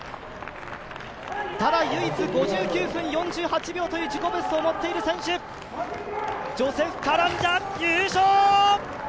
ただ唯一５９分４８秒という自己ベストを持っている選手、ジョセフ・カランジャ、優勝！